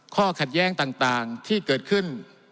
ข้อขัดแย้งต่างที่เกิดขึ้น